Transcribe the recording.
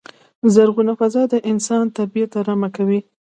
زرغونه فضا د انسان طبیعت ارامه کوی.